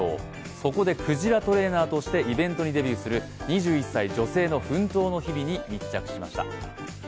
そこでクジラトレーナーとしてイベントにデビューする２１歳女性の奮闘の日々に密着しました。